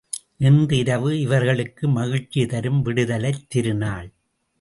இன்று இரவு இவர்களுக்கு மகிழ்ச்சி தரும் விடுதலைத் திருநாள்.